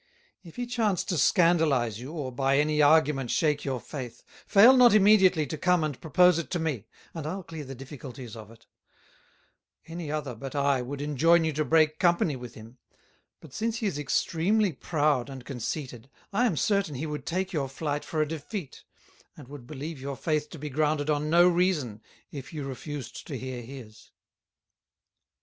If he chance to Scandalize you, or by any Argument shake your Faith, fail not immediately to come and propose it to me, and I'll clear the Difficulties of it; any other, but I, would enjoin you to break Company with him; but since he is extreamly proud and conceited, I am certain he would take your flight for a Defeat, and would believe your Faith to be grounded on no Reason, if you refused to hear his."